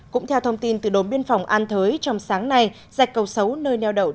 cũng theo thông tin từ đồn biên phòng an thới trong sáng nay dạch cầu sấu nơi neo đậu tàu thuyền đã bị bắt